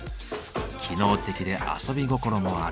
機能的で遊び心もある。